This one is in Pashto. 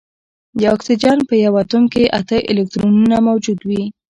د اکسیجن په یوه اتوم کې اته الکترونونه موجود وي